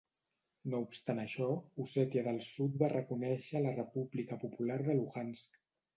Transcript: No obstant això, Ossètia del Sud va reconèixer la República Popular de Luhansk.